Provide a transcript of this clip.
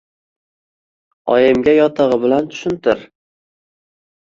Oyimga yotig`i bilan tushuntir